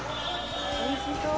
おいしそう。